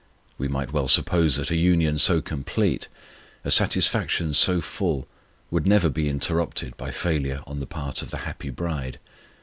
We might well suppose that a union so complete, a satisfaction so full, would never be interrupted by failure on the part of the happy bride.